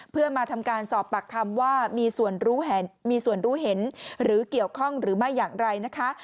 เพื่อมาทำการสอบปากคำว่ามีส่วนรู้เห็นหรือเกี่ยวข้องหรือไม่อย่างไรนะคะ